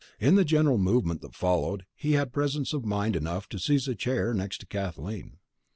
In the general movement that followed he had presence of mind enough to seize a chair next to Kathleen.